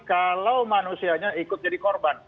kalau manusianya ikut jadi korban